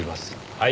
はい。